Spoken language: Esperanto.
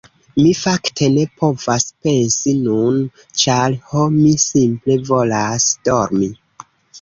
Mi fakte ne povas pensi nun, ĉar... ho mi simple volas dormi.